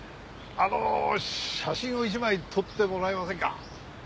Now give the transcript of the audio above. あの写真を１枚撮ってもらえませんか？